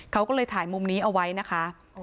เขาก็เลยถ่ายมุมนี้เอาไว้นะคะ